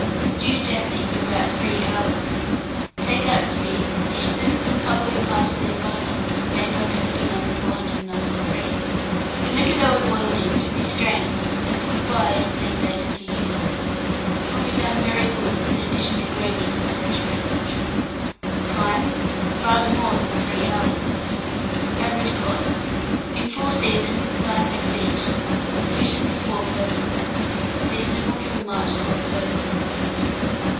Stew gently for about 3 hours; take out the feet, dish them, and cover with parsley and butter, made by recipe No. 493. The liquor they were boiled in should be strained and put by in a clean basin for use: it will be found very good as an addition to gravies, &c. &c. Time. Rather more than 3 hours. Average cost, in full season, 9d. each. Sufficient for 4 persons. Seasonable from March to October.